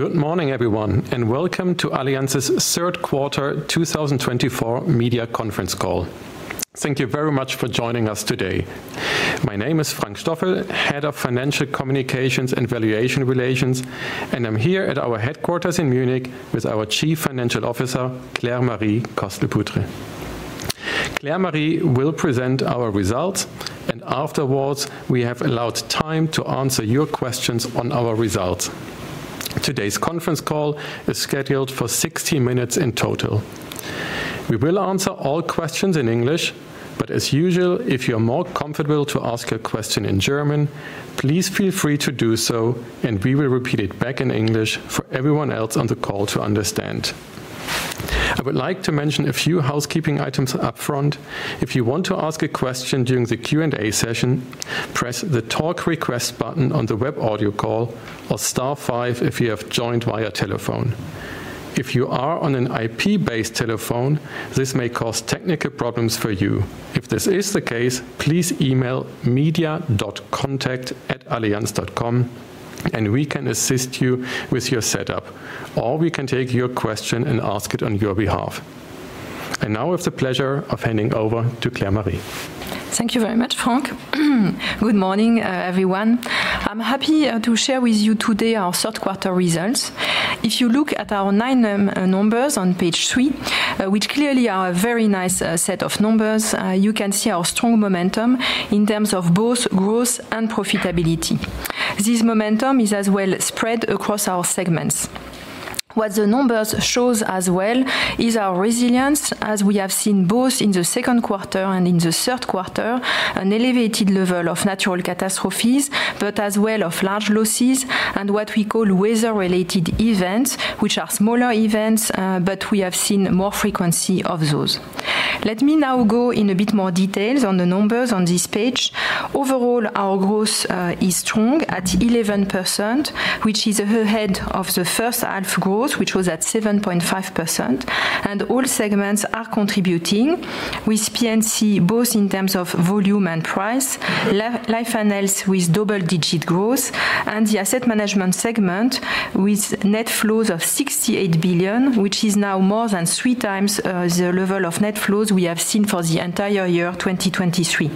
Good morning, everyone, and welcome to Allianz's third quarter 2024 media conference call. Thank you very much for joining us today. My name is Frank Stoffel, Head of Financial Communications and Valuation Relations, and I'm here at our headquarters in Munich with our Chief Financial Officer, Claire-Marie Coste-Lepoutre. Claire-Marie will present our results, and afterwards we have allowed time to answer your questions on our results. Today's conference call is scheduled for 60 minutes in total. We will answer all questions in English, but as usual, if you're more comfortable to ask a question in German, please feel free to do so, and we will repeat it back in English for everyone else on the call to understand. I would like to mention a few housekeeping items upfront. If you want to ask a question during the Q&A session, press the talk request button on the web audio call or star five if you have joined via telephone. If you are on an IP-based telephone, this may cause technical problems for you. If this is the case, please email media.contact@allianz.com, and we can assist you with your setup, or we can take your question and ask it on your behalf, and now I have the pleasure of handing over to Claire-Marie. Thank you very much, Frank. Good morning, everyone. I'm happy to share with you today our third quarter results. If you look at our 9M numbers on page three, which clearly are a very nice set of numbers, you can see our strong momentum in terms of both growth and profitability. This momentum is as well spread across our segments. What the numbers show as well is our resilience, as we have seen both in the second quarter and in the third quarter, an elevated level of natural catastrophes, but as well of large losses and what we call weather-related events, which are smaller events, but we have seen more frequency of those. Let me now go in a bit more detail on the numbers on this page. Overall, our growth is strong at 11%, which is ahead of the first half growth, which was at 7.5%, and all segments are contributing with P&C both in terms of volume and price, Life and Health with double-digit growth, and the Asset Management segment with net flows of 68 billion, which is now more than three times the level of net flows we have seen for the entire year 2023.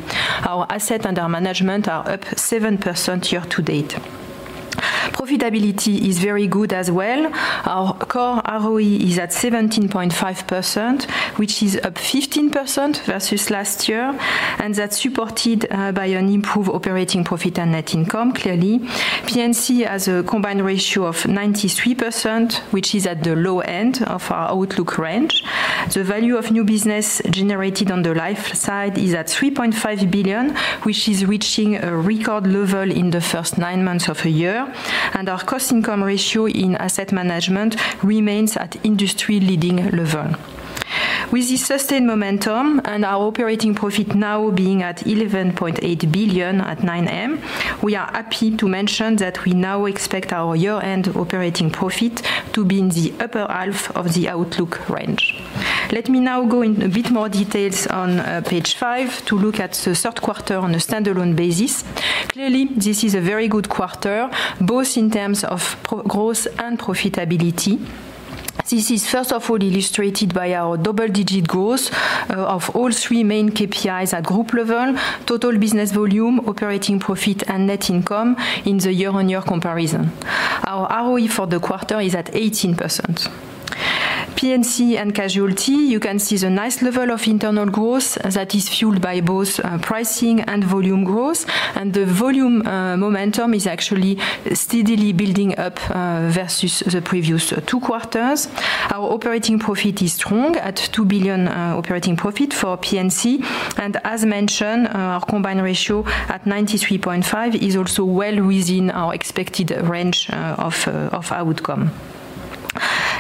Our assets under management are up 7% year to date. Profitability is very good as well. Our core ROE is at 17.5%, which is up 15% versus last year, and that's supported by an improved operating profit and net income clearly. P&C has a combined ratio of 93%, which is at the low end of our outlook range. The value of new business generated on the Life side is at 3.5 billion, which is reaching a record level in the first nine months of a year, and our cost-income ratio in Asset Management remains at industry-leading level. With this sustained momentum and our operating profit now being at 11.8 billion at 9M, we are happy to mention that we now expect our year-end operating profit to be in the upper half of the outlook range. Let me now go in a bit more details on page five to look at the third quarter on a standalone basis. Clearly, this is a very good quarter, both in terms of growth and profitability. This is first of all illustrated by our double-digit growth of all three main KPIs at group level: total business volume, operating profit, and net income in the year-on-year comparison. Our ROE for the quarter is at 18%. P&C and Casualty, you can see the nice level of internal growth that is fueled by both pricing and volume growth, and the volume momentum is actually steadily building up versus the previous two quarters. Our operating profit is strong at 2 billion operating profit for P&C, and as mentioned, our combined ratio at 93.5% is also well within our expected range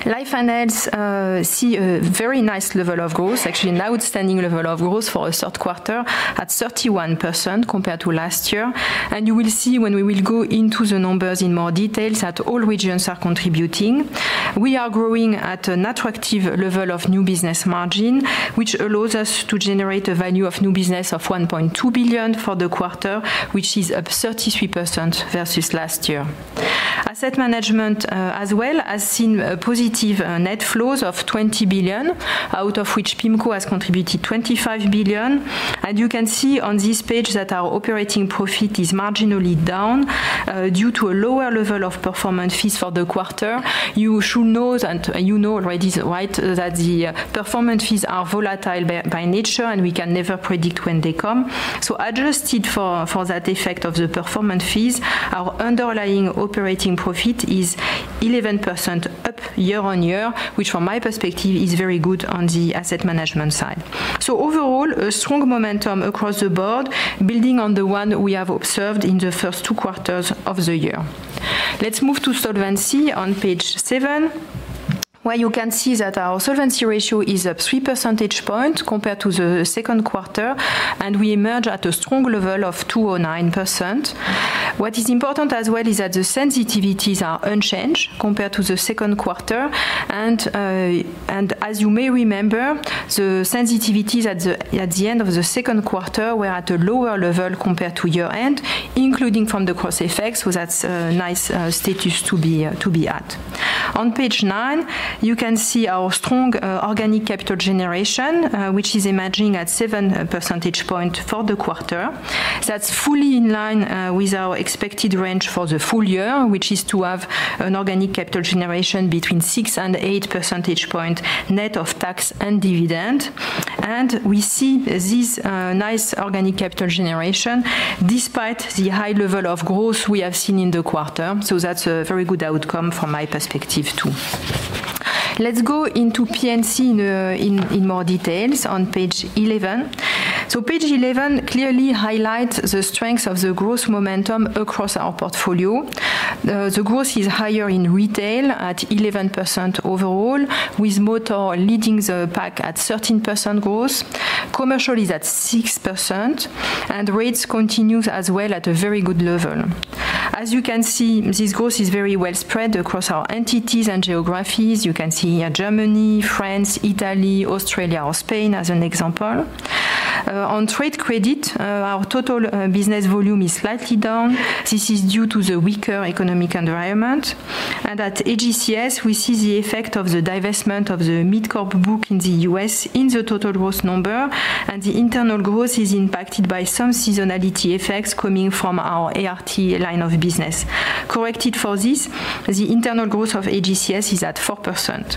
Life and Health see a very nice level of growth, actually an outstanding level of growth for a third quarter at 31% compared to last year, and you will see when we will go into the numbers in more detail that all regions are contributing. We are growing at an attractive level of new business margin, which allows us to generate a value of new business of 1.2 billion for the quarter, which is up 33% versus last year. Asset Management as well has seen positive net flows of 20 billion, out of which PIMCO has contributed 25 billion, and you can see on this page that our operating profit is marginally down due to a lower level of performance fees for the quarter. You should know, and you know already, right, that the performance fees are volatile by nature and we can never predict when they come. So adjusted for that effect of the performance fees, our underlying operating profit is 11% up year on year, which from my perspective is very good on the Asset Management side. So overall, a strong momentum across the board, building on the one we have observed in the first two quarters of the year. Let's move to solvency on page seven, where you can see that our solvency ratio is up 3 percentage points compared to the second quarter, and we emerge at a strong level of 209%. What is important as well is that the sensitivities are unchanged compared to the second quarter, and as you may remember, the sensitivities at the end of the second quarter were at a lower level compared to year-end, including from the cost effects, so that's a nice status to be at. On page nine, you can see our strong organic capital generation, which is emerging at 7 percentage points for the quarter. That's fully in line with our expected range for the full year, which is to have an organic capital generation between 6 and 8 percentage points net of tax and dividend, and we see this nice organic capital generation despite the high level of growth we have seen in the quarter, so that's a very good outcome from my perspective too. Let's go into P&C in more details on page 11. So page 11 clearly highlights the strength of the growth momentum across our portfolio. The growth is higher in Retail at 11% overall, with Motor leading the pack at 13% growth. Commercial is at 6%, and rates continue as well at a very good level. As you can see, this growth is very well spread across our entities and geographies. You can see Germany, France, Italy, Australia, or Spain as an example. On Trade Credit, our total business volume is slightly down. This is due to the weaker economic environment, and at AGCS, we see the effect of the divestment of the MidCorp book in the U.S. in the total gross number, and the internal growth is impacted by some seasonality effects coming from our ART line of business. Corrected for this, the internal growth of AGCS is at 4%.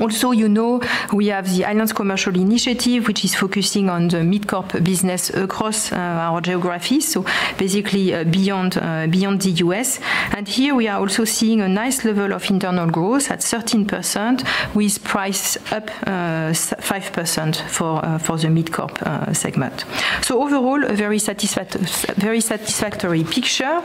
Also, you know we have the Allianz Commercial Initiative, which is focusing on the MidCorp business across our geographies, so basically beyond the U.S., and here we are also seeing a nice level of internal growth at 13%, with price up 5% for the MidCorp segment, so overall, a very satisfactory picture.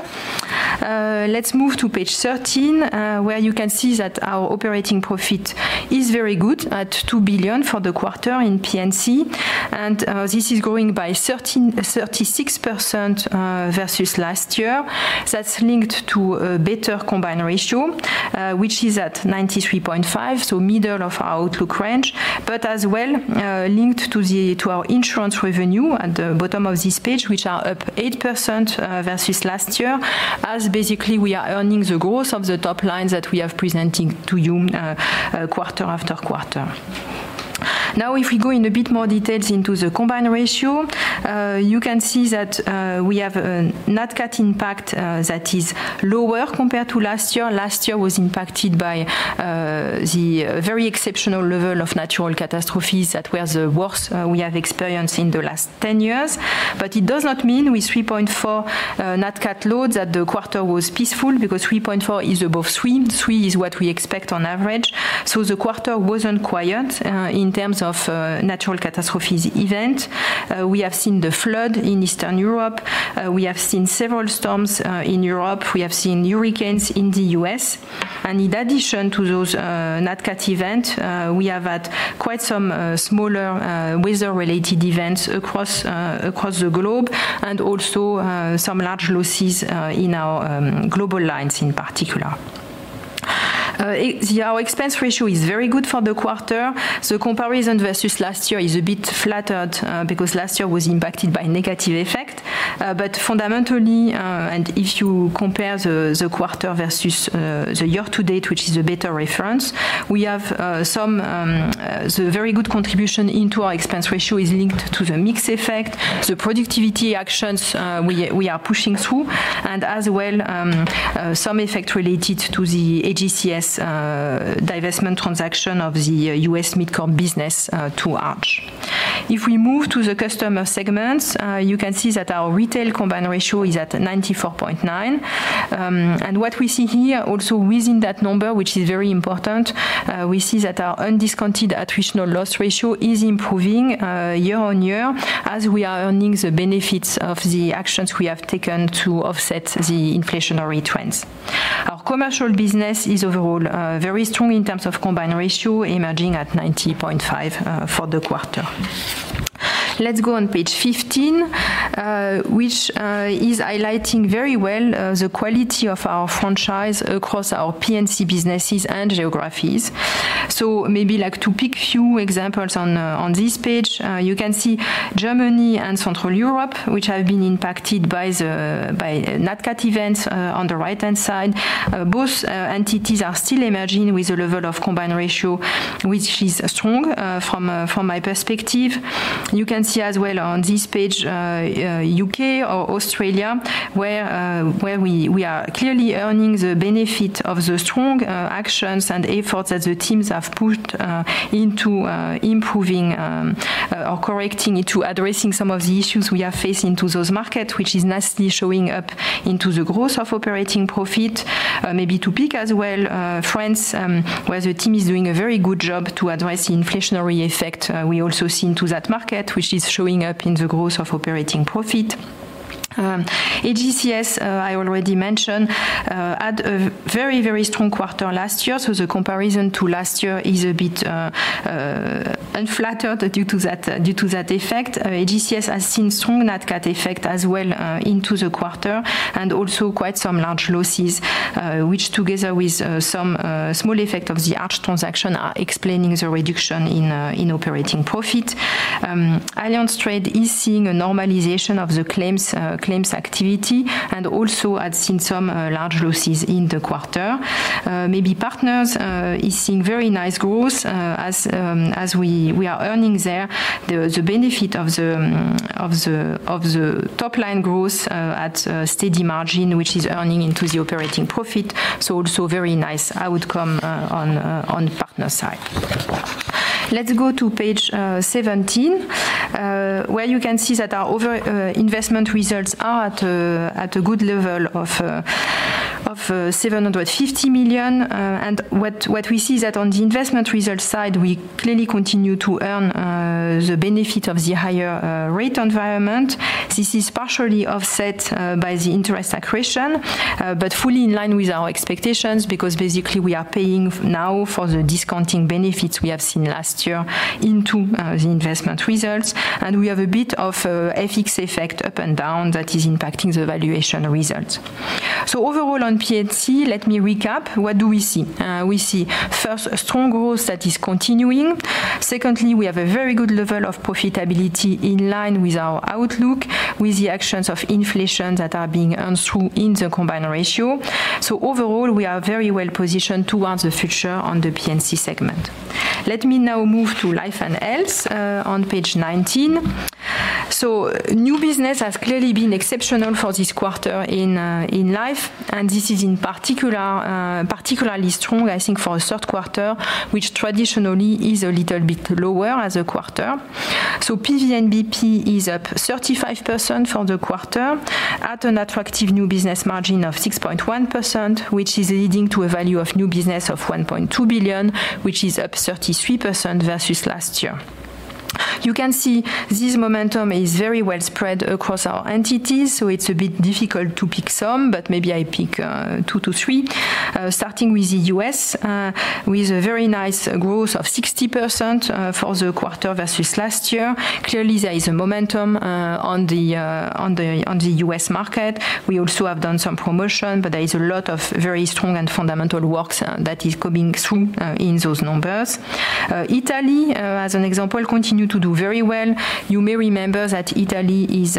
Let's move to page 13, where you can see that our operating profit is very good at 2 billion for the quarter in P&C, and this is growing by 36% versus last year. That's linked to a better combined ratio, which is at 93.5%, so middle of our outlook range, but as well linked to our insurance revenue at the bottom of this page, which are up 8% versus last year, as basically we are earning the growth of the top lines that we are presenting to you quarter after quarter. Now, if we go in a bit more details into the combined ratio, you can see that we have a Nat Cat impact that is lower compared to last year. Last year was impacted by the very exceptional level of natural catastrophes that were the worst we have experienced in the last 10 years, but it does not mean with 3.4 Nat Cat loads that the quarter was peaceful, because 3.4 is above 3. 3 is what we expect on average, so the quarter wasn't quiet in terms of natural catastrophes events. We have seen the flood in Eastern Europe. We have seen several storms in Europe. We have seen hurricanes in the U.S., and in addition to those Nat Cat events, we have had quite some smaller weather-related events across the globe and also some large losses in our global lines in particular. Our expense ratio is very good for the quarter. The comparison versus last year is a bit flattered because last year was impacted by negative effect, but fundamentally, and if you compare the quarter versus the year to date, which is a better reference, we have some very good contribution into our expense ratio is linked to the mix effect, the productivity actions we are pushing through, and as well some effect related to the AGCS divestment transaction of the U.S. MidCorp business to ART. If we move to the customer segments, you can see that our retail combined ratio is at 94.9%, and what we see here also within that number, which is very important, we see that our undiscounted attritional loss ratio is improving year on year as we are earning the benefits of the actions we have taken to offset the inflationary trends. Our commercial business is overall very strong in terms of combined ratio emerging at 90.5% for the quarter. Let's go on page 15, which is highlighting very well the quality of our franchise across our P&C businesses and geographies. So maybe like to pick a few examples on this page, you can see Germany and Central Europe, which have been impacted by Nat Cat events on the right-hand side. Both entities are still emerging with a level of combined ratio, which is strong from my perspective. You can see as well on this page U.K. or Australia, where we are clearly earning the benefit of the strong actions and efforts that the teams have put into improving or correcting to addressing some of the issues we are facing to those markets, which is nicely showing up into the growth of operating profit. Maybe to pick as well France, where the team is doing a very good job to address the inflationary effect we also see in that market, which is showing up in the growth of operating profit. AGCS, I already mentioned, had a very, very strong quarter last year, so the comparison to last year is a bit unflattering due to that effect. AGCS has seen strong Nat Cat effect as well in the quarter and also quite some large losses, which together with some small effect of the ART transaction are explaining the reduction in operating profit. Allianz Trade is seeing a normalization of the claims activity and also has seen some large losses in the quarter. Allianz Partners is seeing very nice growth as we are earning there. The benefit of the top line growth at steady margin, which is earning into the operating profit, so also very nice outcome on Partners side. Let's go to page 17, where you can see that our investment results are at a good level of 750 million, and what we see is that on the investment results side, we clearly continue to earn the benefit of the higher rate environment. This is partially offset by the interest accretion, but fully in line with our expectations because basically we are paying now for the discounting benefits we have seen last year into the investment results, and we have a bit of FX effect up and down that is impacting the valuation results. So overall on P&C, let me recap. What do we see? We see first, strong growth that is continuing. Secondly, we have a very good level of profitability in line with our outlook, with the actions of inflation that are being earned through in the combined ratio. So overall, we are very well positioned towards the future on the P&C segment. Let me now Life and Health on page 19. So new business has clearly been exceptional for this quarter in Life, and this is particularly strong, I think, for a third quarter, which traditionally is a little bit lower as a quarter. So PVNBP is up 35% for the quarter at an attractive new business margin of 6.1%, which is leading to a value of new business of 1.2 billion, which is up 33% versus last year. You can see this momentum is very well spread across our entities, so it's a bit difficult to pick some, but maybe I pick two to three, starting with the U.S., with a very nice growth of 60% for the quarter versus last year. Clearly, there is a momentum on the U.S. market. We also have done some promotion, but there is a lot of very strong and fundamental work that is coming through in those numbers. Italy, as an example, continues to do very well. You may remember that Italy is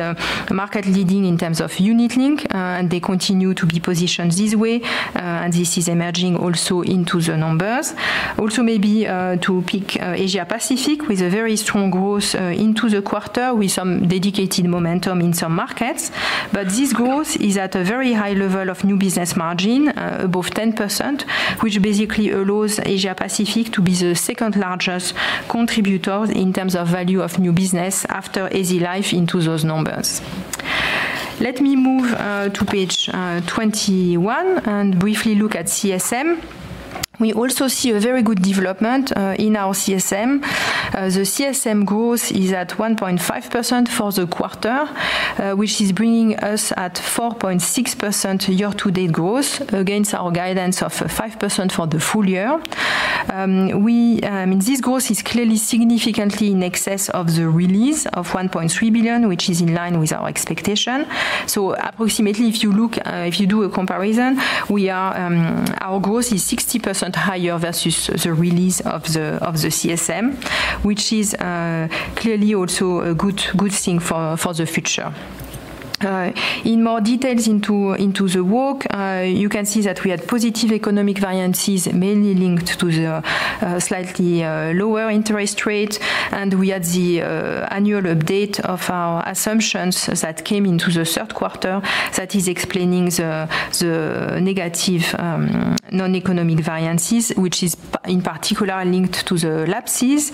market leading in terms of unit-linked, and they continue to be positioned this way, and this is emerging also into the numbers. Also, maybe to pick Asia Pacific, with a very strong growth into the quarter, with some dedicated momentum in some markets, but this growth is at a very high level of new business margin, above 10%, which basically allows Asia Pacific to be the second largest contributor in terms of value of new business AZ Life into those numbers. Let me move to page 21 and briefly look at CSM. We also see a very good development in our CSM. The CSM growth is at 1.5% for the quarter, which is bringing us at 4.6% year-to-date growth against our guidance of 5% for the full year. This growth is clearly significantly in excess of the release of 1.3 billion, which is in line with our expectation. So approximately, if you do a comparison, our growth is 60% higher versus the release of the CSM, which is clearly also a good thing for the future. In more details into the work, you can see that we had positive economic variances, mainly linked to the slightly lower interest rate, and we had the annual update of our assumptions that came into the third quarter that is explaining the negative non-economic variances, which is in particular linked to the lapses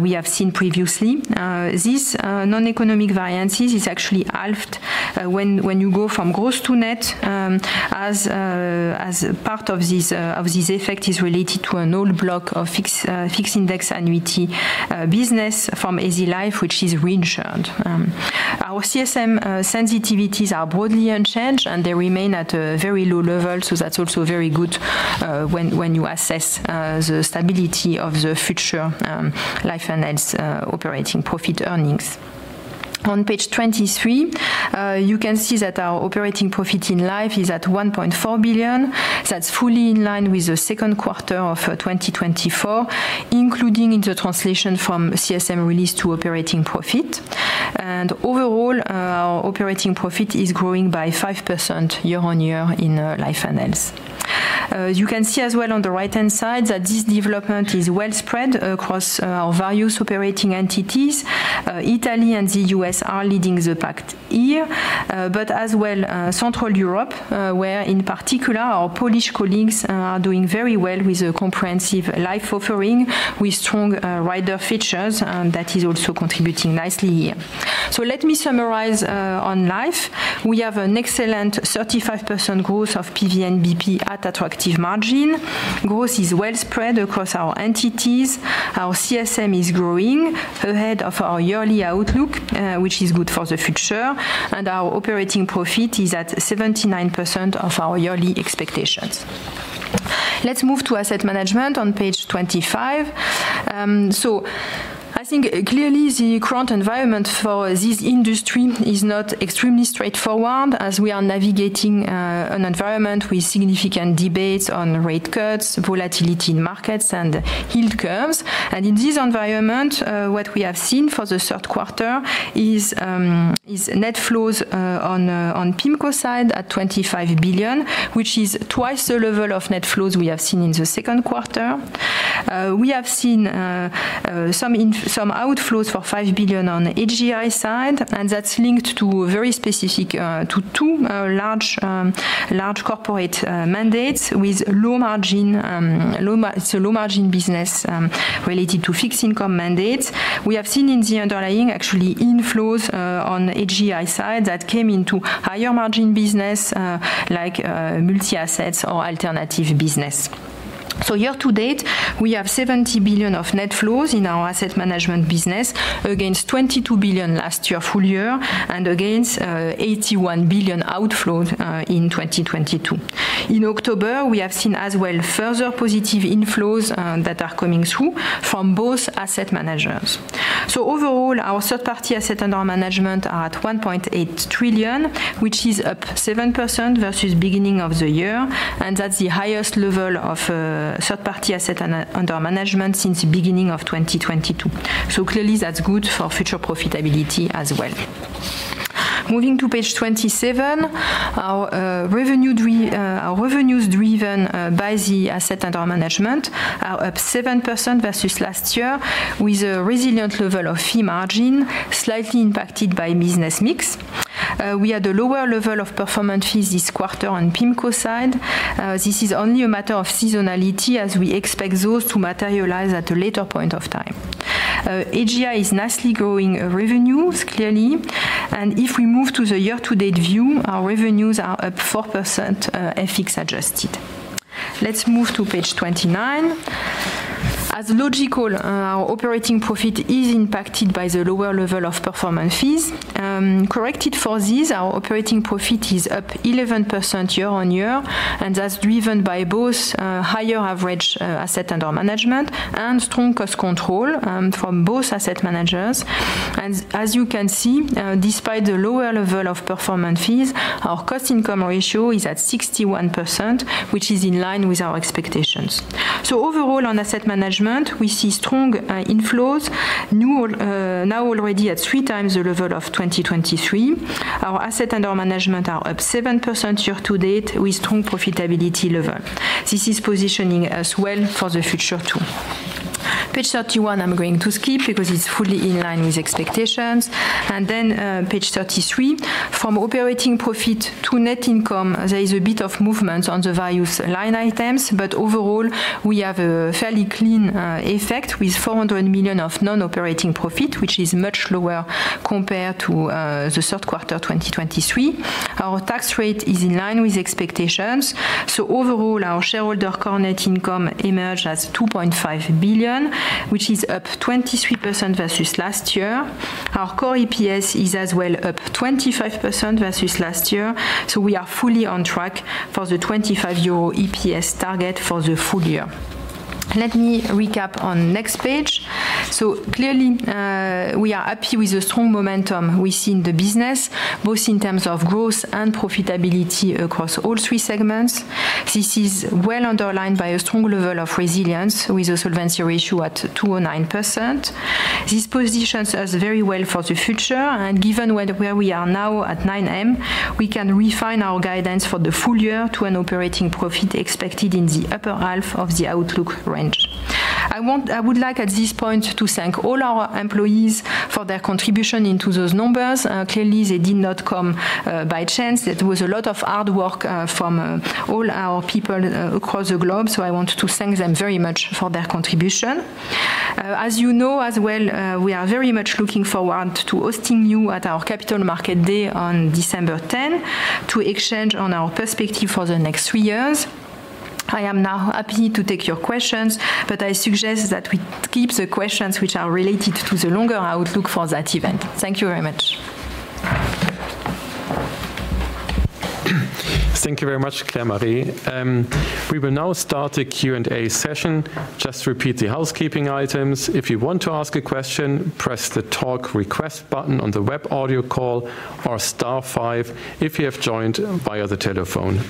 we have seen previously. This non-economic variances is actually halved when you go from gross to net, as part of this effect is related to an old block of fixed index annuity business AZ Life, which is reinsured. Our CSM sensitivities are broadly unchanged, and they remain at a very low level, so that's also very good when you assess the stability of the future Life and Health operating profit earnings. On page 23, you can see that our operating profit in Life is at 1.4 billion. That's fully in line with the second quarter of 2024, including in the translation from CSM release to operating profit. And overall, our operating profit is growing by 5% year on Life and Health. you can see as well on the right-hand side that this development is well spread across our various operating entities. Italy and the U.S. are leading the pack here, but as well Central Europe, where in particular our Polish colleagues are doing very well with a comprehensive Life offering with strong rider features that is also contributing nicely here. So let me summarize on Life. We have an excellent 35% growth of PVNBP at attractive margin. Growth is well spread across our entities. Our CSM is growing ahead of our yearly outlook, which is good for the future, and our operating profit is at 79% of our yearly expectations. Let's move to Asset Management on page 25. So I think clearly the current environment for this industry is not extremely straightforward as we are navigating an environment with significant debates on rate cuts, volatility in markets, and yield curves. And in this environment, what we have seen for the third quarter is net flows on PIMCO side at 25 billion, which is twice the level of net flows we have seen in the second quarter. We have seen some outflows for 5 billion on AGI side, and that's linked to very specific to two large corporate mandates with low margin business related to fixed income mandates. We have seen in the underlying actually inflows on AGI side that came into higher margin business like multi-assets or alternative business. So year-to-date, we have 70 billion of net flows in our Asset Management business against 22 billion last year full year and against 81 billion outflows in 2022. In October, we have seen as well further positive inflows that are coming through from both asset managers. So overall, our third-party assets under management are at 1.8 trillion, which is up 7% versus beginning of the year, and that's the highest level of third-party assets under management since the beginning of 2022. So clearly, that's good for future profitability as well. Moving to page 27, our revenues driven by the assets under management are up 7% versus last year with a resilient level of fee margin slightly impacted by business mix. We had a lower level of performance fees this quarter on PIMCO side. This is only a matter of seasonality as we expect those to materialize at a later point of time. AGI is nicely growing revenues clearly, and if we move to the year-to-date view, our revenues are up 4% FX adjusted. Let's move to page 29. As logical, our operating profit is impacted by the lower level of performance fees. Corrected for these, our operating profit is up 11% year on year, and that's driven by both higher average assets under management and strong cost control from both asset managers. As you can see, despite the lower level of performance fees, our cost-income ratio is at 61%, which is in line with our expectations. Overall, on Asset Management, we see strong inflows, now already at three times the level of 2023. Our assets under management are up 7% year-to-date with strong profitability level. This is positioning us well for the future too. Page 31, I'm going to skip because it's fully in line with expectations. Page 33, from operating profit to net income, there is a bit of movement on the various line items, but overall, we have a fairly clean effect with 400 million of non-operating profit, which is much lower compared to the third quarter 2023. Our tax rate is in line with expectations. Overall, our shareholders' net income emerged as 2.5 billion, which is up 23% versus last year. Our core EPS is as well up 25% versus last year. So we are fully on track for the 25% EPS target for the full year. Let me recap on next page. So clearly, we are happy with the strong momentum we see in the business, both in terms of growth and profitability across all three segments. This is well underlined by a strong level of resilience with a solvency ratio at 209%. This positions us very well for the future, and given where we are now at 9M, we can refine our guidance for the full year to an operating profit expected in the upper half of the outlook range. I would like at this point to thank all our employees for their contribution into those numbers. Clearly, they did not come by chance. It was a lot of hard work from all our people across the globe, so I want to thank them very much for their contribution. As you know as well, we are very much looking forward to hosting you at our Capital Markets Day on December 10 to exchange on our perspective for the next three years. I am now happy to take your questions, but I suggest that we keep the questions which are related to the longer outlook for that event. Thank you very much. Thank you very much, Claire-Marie. We will now start the Q&A session. Just repeat the housekeeping items. If you want to ask a question, press the talk request button on the web audio call or star five if you have joined via the telephone.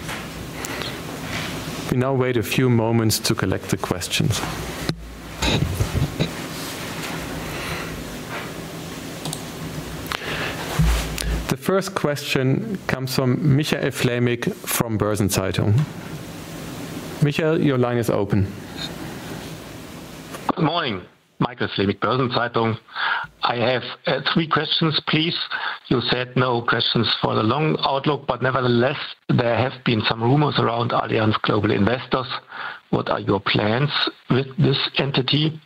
We now wait a few moments to collect the questions. The first question comes from Michael Flämig from Börsen-Zeitung. Michael, your line is open. Good morning. Michael Flämig, Börsen-Zeitung. I have three questions, please. You said no questions for the long outlook, but nevertheless, there have been some rumors around Allianz Global Investors. What are your plans with this entity?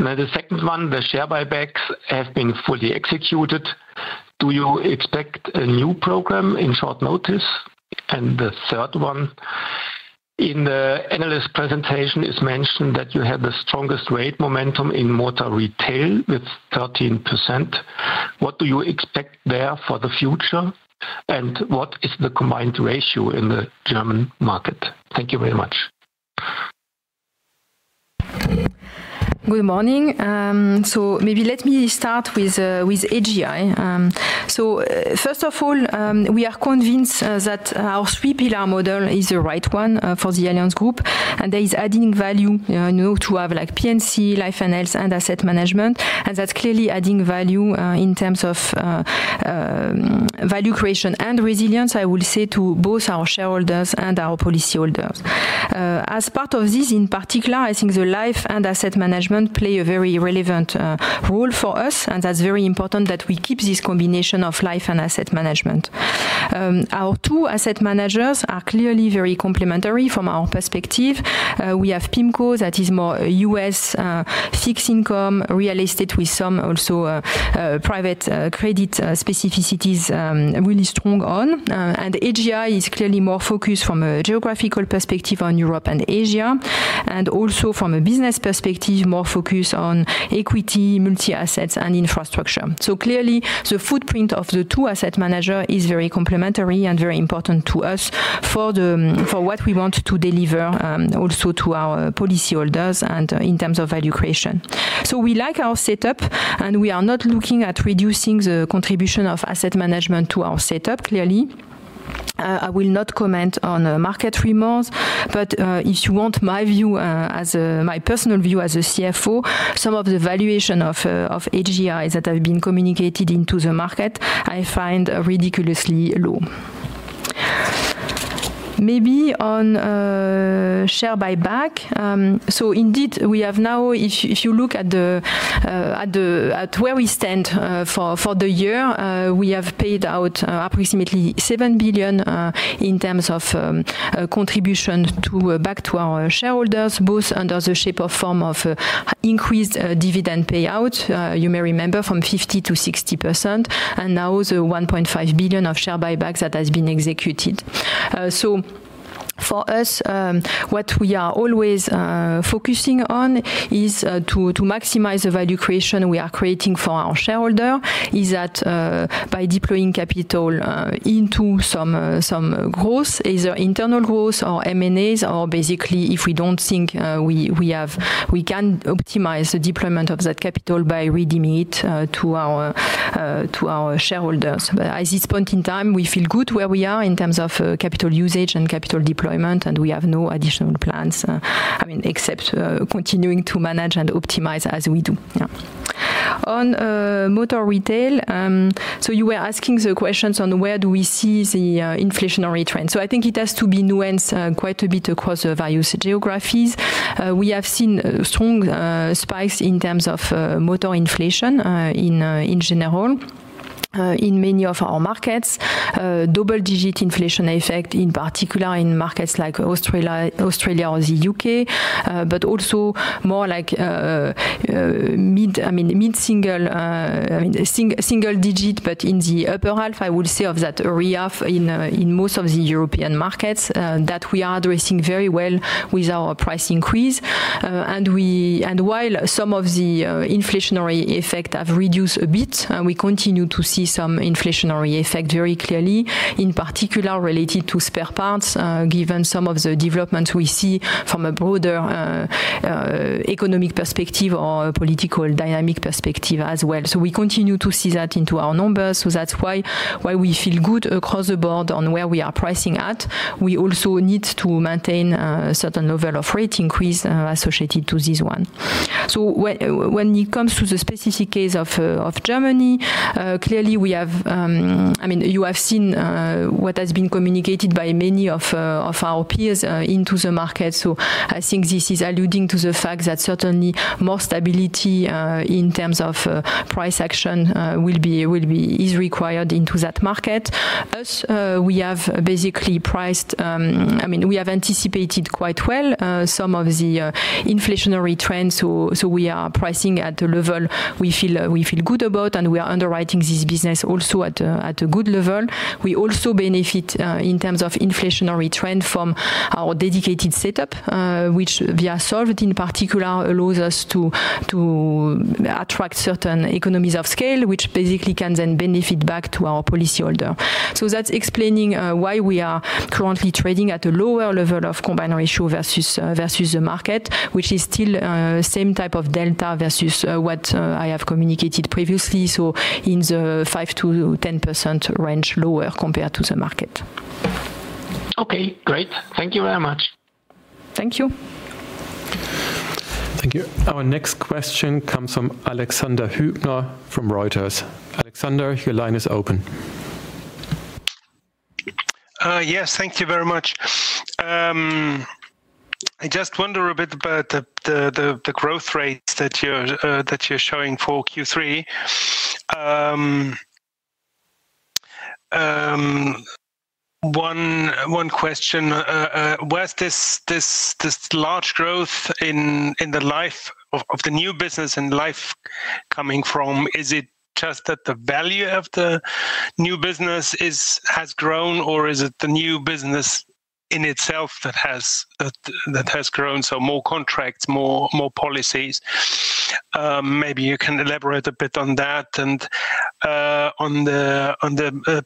And the second one, the share buybacks have been fully executed. Do you expect a new program in short notice? And the third one, in the analyst presentation is mentioned that you have the strongest rate momentum Motor Retail with 13%. What do you expect there for the future? And what is the combined ratio in the German market? Thank you very much. Good morning. So maybe let me start with AGI. So first of all, we are convinced that our three-pillar model is the right one for the Allianz Group, and there is adding value to have like P&C, Life and Health, and Asset Management, and that's clearly adding value in terms of value creation and resilience, I will say, to both our shareholders and our policyholders. As part of this, in particular, I think the Life and Asset Management play a very relevant role for us, and that's very important that we keep this combination of Life and Asset Management. Our two asset managers are clearly very complementary from our perspective. We have PIMCO that is more U.S. fixed income real estate with some also private credit specificities really strong on, and AGI is clearly more focused from a geographical perspective on Europe and Asia, and also from a business perspective, more focused on equity, multi-assets, and infrastructure. So clearly, the footprint of the two asset managers is very complementary and very important to us for what we want to deliver also to our policyholders and in terms of value creation. So we like our setup, and we are not looking at reducing the contribution of Asset Management to our setup clearly. I will not comment on market rumors, but if you want my view, my personal view as a CFO, some of the valuation of AGIs that have been communicated into the market, I find ridiculously low. Maybe on share buyback, so indeed, we have now, if you look at where we stand for the year, we have paid out approximately 7 billion in terms of contribution back to our shareholders, both under the shape of form of increased dividend payout, you may remember, from 50%-60%, and now the 1.5 billion of share buybacks that has been executed. For us, what we are always focusing on is to maximize the value creation we are creating for our shareholder, is that by deploying capital into some growth, either internal growth or M&As, or basically, if we don't think we have, we can optimize the deployment of that capital by redeeming it to our shareholders. At this point in time, we feel good where we are in terms of capital usage and capital deployment, and we have no additional plans, I mean, except continuing to manage and optimize as we do. Motor Retail, so you were asking the questions on where do we see the inflationary trend. So I think it has to be nuanced quite a bit across the various geographies. We have seen strong spikes in terms of motor inflation in general in many of our markets, double-digit inflation effect, in particular in markets like Australia or the U.K., but also more like, I mean, mid-single digit, but in the upper half, I will say, of that area in most of the European markets that we are addressing very well with our price increase. While some of the inflationary effect have reduced a bit, we continue to see some inflationary effect very clearly, in particular related to spare parts, given some of the developments we see from a broader economic perspective or political dynamic perspective as well. So we continue to see that into our numbers. So that's why we feel good across the board on where we are pricing at. We also need to maintain a certain level of rate increase associated to this one. So when it comes to the specific case of Germany, clearly, we have, I mean, you have seen what has been communicated by many of our peers into the market. So I think this is alluding to the fact that certainly more stability in terms of price action will be required into that market. As we have basically priced, I mean, we have anticipated quite well some of the inflationary trends. So we are pricing at the level we feel good about, and we are underwriting this business also at a good level. We also benefit in terms of inflationary trend from our dedicated setup, which we have set up in particular allows us to attract certain economies of scale, which basically can then benefit back to our policyholder. So that's explaining why we are currently trading at a lower level of combined ratio versus the market, which is still the same type of delta versus what I have communicated previously. So in the 5%-10% range lower compared to the market. Okay, great. Thank you very much. Thank you. Thank you. Our next question comes from Alexander Hübner from Reuters. Alexander, your line is open. Yes, thank you very much. I just wonder a bit about the growth rates that you're showing for Q3. One question, where's this large growth in the Life, the new business and Life coming from? Is it just that the value of the new business has grown, or is it the new business in itself that has grown? So more contracts, more policies. Maybe you can elaborate a bit on that. And on the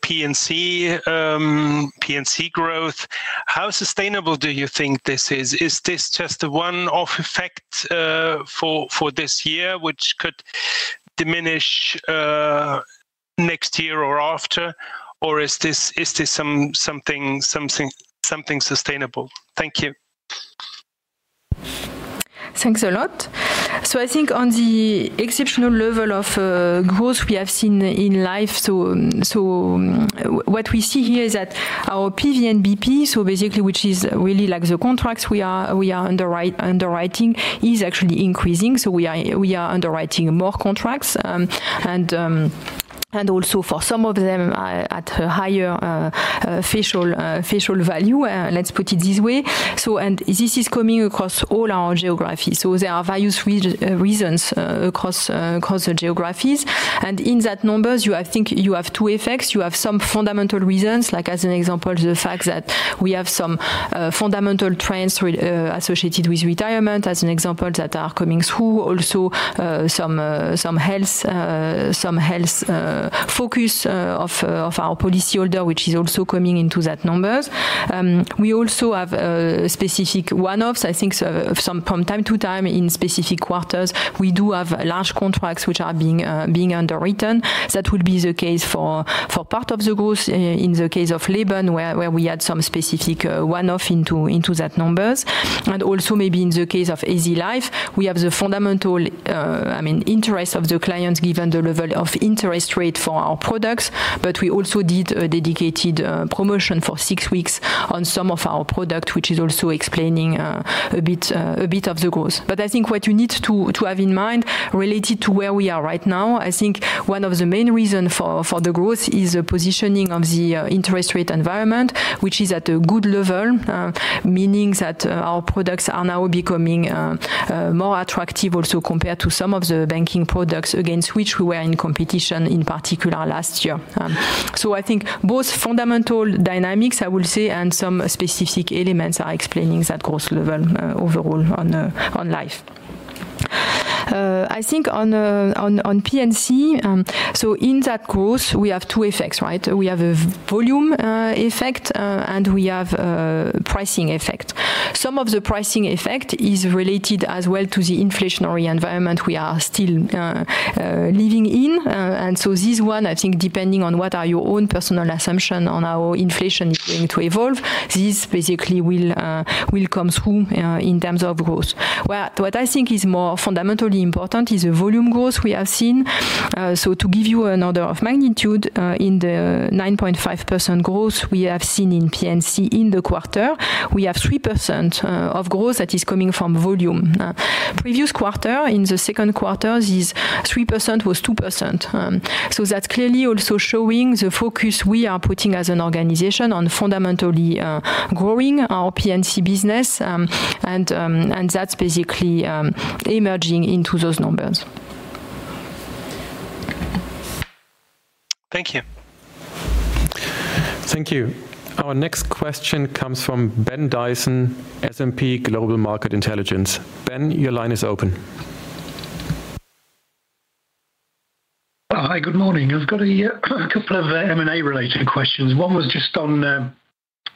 P&C growth, how sustainable do you think this is? Is this just a one-off effect for this year, which could diminish next year or after, or is this something sustainable? Thank you. Thanks a lot. So I think on the exceptional level of growth we have seen in Life, so what we see here is that our PVNBP, so basically, which is really like the contracts we are underwriting, is actually increasing. We are underwriting more contracts, and also for some of them at a higher face value, let's put it this way. And this is coming across all our geographies. So there are various reasons across the geographies. And in that numbers, I think you have two effects. You have some fundamental reasons, like as an example, the fact that we have some fundamental trends associated with retirement, as an example, that are coming through. Also some health focus of our policyholder, which is also coming into that numbers. We also have specific one-offs, I think from time to time in specific quarters, we do have large contracts which are being underwritten. That would be the case for part of the growth in the case of Leben, where we had some specific one-off into that numbers. And also, maybe in the case AZ Life, we have the fundamental, I mean, interest of the clients given the level of interest rate for our products, but we also did a dedicated promotion for six weeks on some of our product, which is also explaining a bit of the growth. But I think what you need to have in mind related to where we are right now. I think one of the main reasons for the growth is the positioning of the interest rate environment, which is at a good level, meaning that our products are now becoming more attractive also compared to some of the banking products against which we were in competition, in particular last year. So I think both fundamental dynamics, I will say, and some specific elements are explaining that growth level overall on Life. I think on P&C, so in that growth, we have two effects, right? We have a volume effect, and we have a pricing effect. Some of the pricing effect is related as well to the inflationary environment we are still living in. And so this one, I think, depending on what are your own personal assumptions on how inflation is going to evolve, this basically will come through in terms of growth. What I think is more fundamentally important is the volume growth we have seen. So to give you an order of magnitude, in the 9.5% growth we have seen in P&C in the quarter, we have 3% of growth that is coming from volume. Previous quarter, in the second quarter, 3% was 2%. So that's clearly also showing the focus we are putting as an organization on fundamentally growing our P&C business, and that's basically emerging into those numbers. Thank you. Thank you. Our next question comes from Ben Dyson, S&P Global Market Intelligence. Ben, your line is open. Hi, good morning. I've got a couple of M&A-related questions. One was just on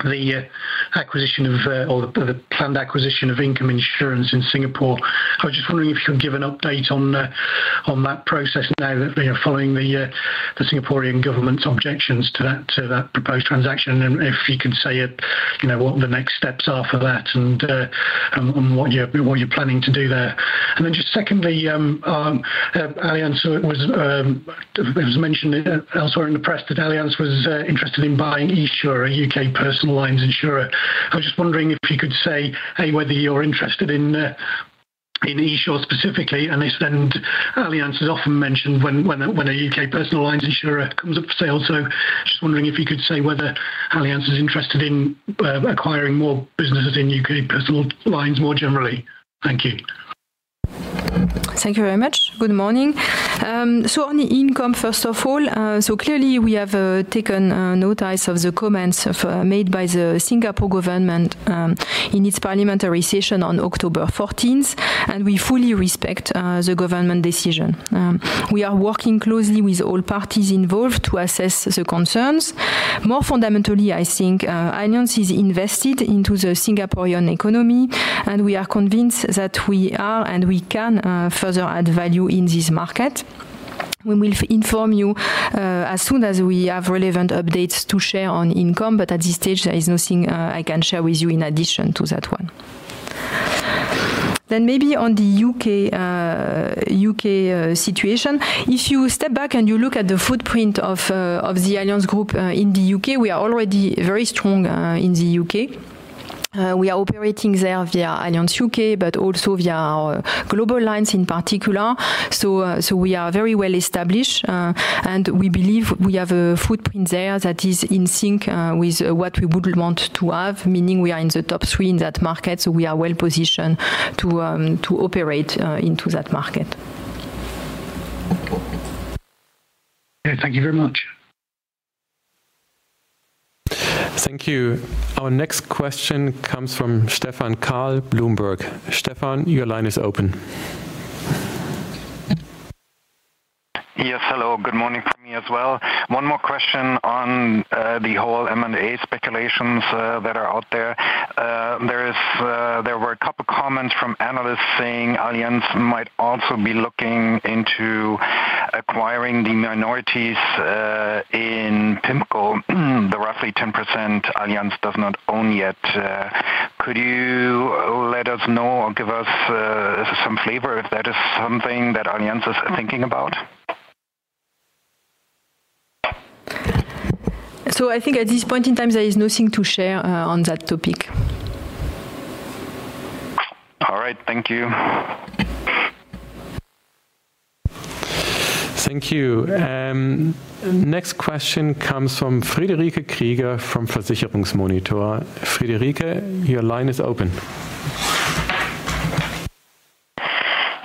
the acquisition of or the planned acquisition of Income Insurance in Singapore. I was just wondering if you could give an update on that process now that we are following the Singaporean government's objections to that proposed transaction, and if you could say what the next steps are for that and what you're planning to do there. And then just secondly, Allianz, it was mentioned elsewhere in the press that Allianz was interested in buying esure, a U.K. personal lines insurer. I was just wondering if you could say whether you're interested in esure specifically, and Allianz is often mentioned when a U.K. personal lines insurer comes up for sale. So just wondering if you could say whether Allianz is interested in acquiring more businesses in U.K. personal lines more generally. Thank you. Thank you very much. Good morning. On Income, first of all, so clearly we have taken notice of the comments made by the Singapore government in its parliamentary session on October 14, and we fully respect the government decision. We are working closely with all parties involved to assess the concerns. More fundamentally, I think Allianz is invested into the Singaporean economy, and we are convinced that we are and we can further add value in this market. We will inform you as soon as we have relevant updates to share on Income, but at this stage, there is nothing I can share with you in addition to that one. Then maybe on the U.K. situation, if you step back and you look at the footprint of the Allianz Group in the U.K., we are already very strong in the U.K. We are operating there via Allianz U.K., but also via our global lines in particular. So we are very well established, and we believe we have a footprint there that is in sync with what we would want to have, meaning we are in the top three in that market. So we are well positioned to operate into that market. Thank you very much. Thank you. Our next question comes from Stephan Kahl, Bloomberg. Stephan, your line is open. Yes, hello. Good morning from me as well. One more question on the whole M&A speculations that are out there. There were a couple of comments from analysts saying Allianz might also be looking into acquiring the minorities in PIMCO, the roughly 10% Allianz does not own yet. Could you let us know or give us some flavor if that is something that Allianz is thinking about? So I think at this point in time, there is nothing to share on that topic. All right. Thank you. Thank you. Next question comes from Friederike Krieger from Versicherungsmonitor. Friederike, your line is open.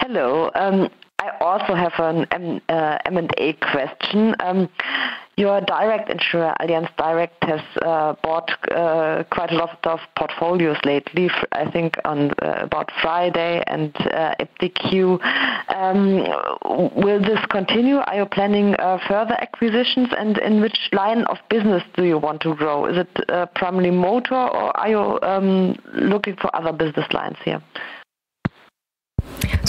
Hello. I also have an M&A question. Your direct insurer, Allianz Direct, has bought quite a lot of portfolios lately, I think one about FRIDAY and iptiQ. Will this continue? Are you planning further acquisitions, and in which line of business do you want to grow? Is it primarily motor, or are you looking for other business lines here?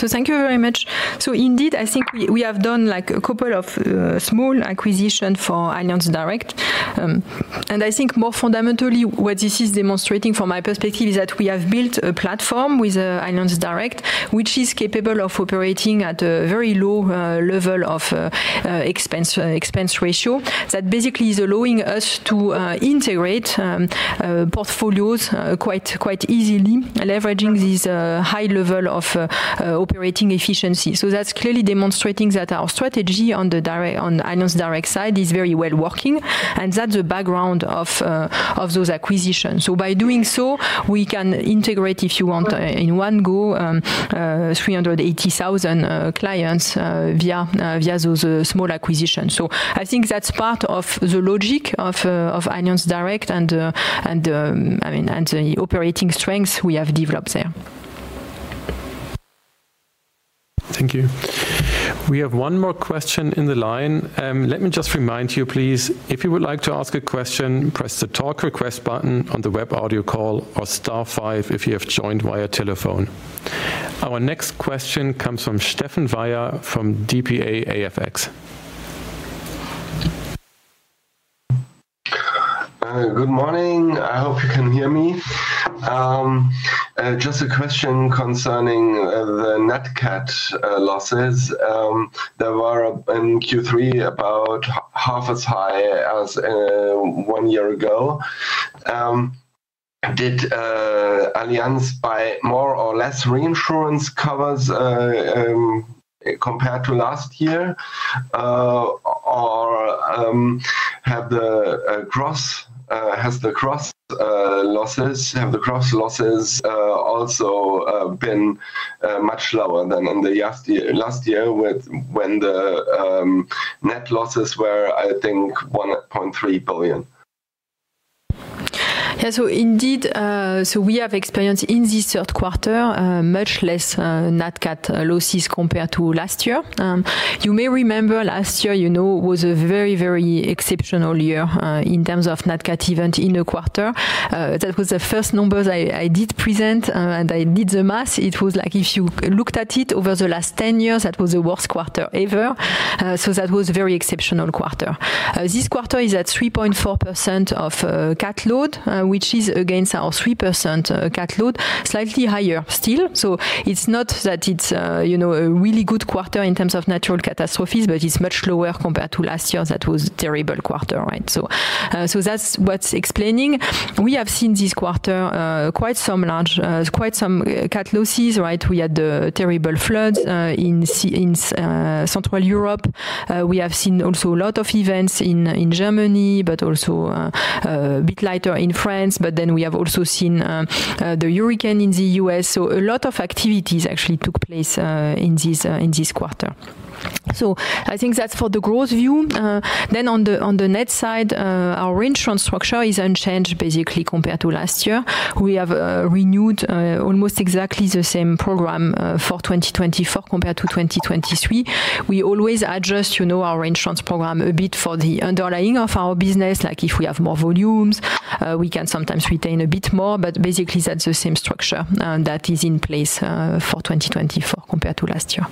So thank you very much. So indeed, I think we have done a couple of small acquisitions for Allianz Direct. And I think more fundamentally, what this is demonstrating from my perspective is that we have built a platform with Allianz Direct, which is capable of operating at a very low level of expense ratio that basically is allowing us to integrate portfolios quite easily, leveraging this high level of operating efficiency. So that's clearly demonstrating that our strategy on the Allianz Direct side is very well working, and that's the background of those acquisitions. So by doing so, we can integrate, if you want, in one go 380,000 clients via those small acquisitions. So I think that's part of the logic of Allianz Direct and the operating strengths we have developed there. Thank you. We have one more question in the line. Let me just remind you, please, if you would like to ask a question, press the talk request button on the web audio call or star five if you have joined via telephone. Our next question comes from Steffen Weyer from dpa-AFX. Good morning. I hope you can hear me. Just a question concerning the Nat Cat losses. They were in Q3 about half as high as one year ago. Did Allianz buy more or less reinsurance covers compared to last year, or has the gross losses also been much lower than in the last year when the net losses were, I think, 1.3 billion? Yeah, so indeed, we have experienced in this third quarter much less Nat Cat losses compared to last year. You may remember last year was a very, very exceptional year in terms of Nat Cat event in the quarter. That was the first numbers I did present, and I did the math. It was like if you looked at it over the last 10 years, that was the worst quarter ever. So that was a very exceptional quarter. This quarter is at 3.4% of catload, which is against our 3% catload, slightly higher still. So it's not that it's a really good quarter in terms of natural catastrophes, but it's much lower compared to last year's that was a terrible quarter, right? So that's what's explaining. We have seen this quarter quite some cat losses, right? We had the terrible floods in Central Europe. We have seen also a lot of events in Germany, but also a bit lighter in France. But then we have also seen the hurricane in the U.S. So a lot of activities actually took place in this quarter. So I think that's for the growth view. Then on the net side, our insurance structure is unchanged basically compared to last year. We have renewed almost exactly the same program for 2024 compared to 2023. We always adjust our insurance program a bit for the underlying of our business. If we have more volumes, we can sometimes retain a bit more, but basically, that's the same structure that is in place for 2024 compared to last year.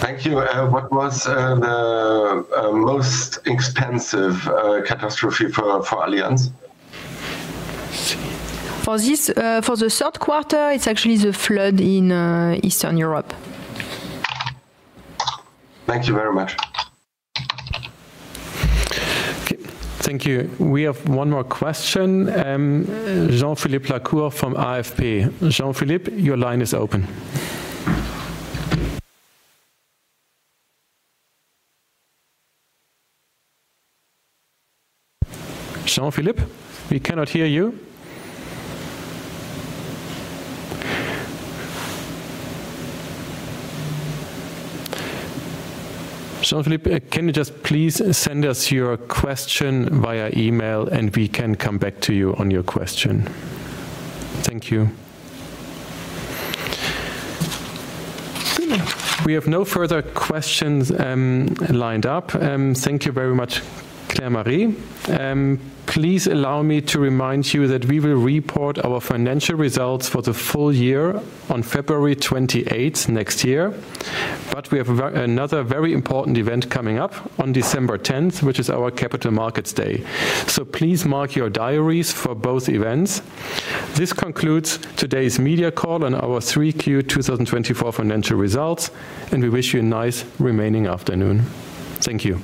Thank you. What was the most expensive catastrophe for Allianz? For the third quarter, it's actually the flood in Eastern Europe. Thank you very much. Thank you. We have one more question. Jean-Philippe Lacour from AFP. Jean-Philippe, your line is open. Jean-Philippe, we cannot hear you. Jean-Philippe, can you just please send us your question via email, and we can come back to you on your question? Thank you. We have no further questions lined up. Thank you very much, Claire-Marie. Please allow me to remind you that we will report our financial results for the full year on February 28 next year, but we have another very important event coming up on December 10, which is our Capital Markets Day. So please mark your diaries for both events. This concludes today's media call on our 3Q 2024 financial results, and we wish you a nice remaining afternoon. Thank you.